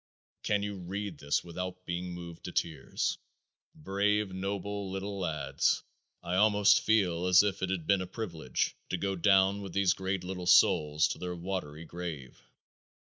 Can you read this without being moved to tears? Brave, noble little lads! I almost feel as if it had been a privilege to go down with these great little souls to their watery grave.